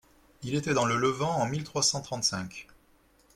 Il était dans le Levant en mille trois cent trente-cinq.